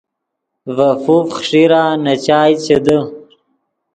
ڤے فوف خݰیرا نے چائے چے دے